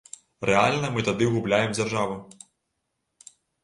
Рэальна мы тады губляем дзяржаву.